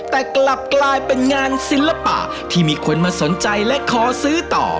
แต่กลับกลายเป็นงานศิลปะที่มีคนมาสนใจและขอซื้อต่อ